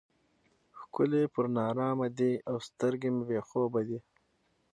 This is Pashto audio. ښکلي پر نارامه دي او سترګې مې بې خوبه دي.